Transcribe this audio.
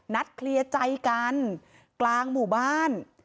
เคลียร์ใจกันกลางหมู่บ้าน